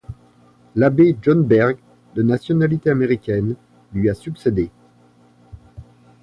L'abbé John Berg, de nationalité américaine, lui a succédé.